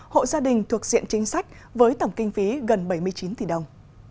hộ gia đình thuộc diện chính sách với tổng kinh phí gần bảy mươi chín tỷ đồng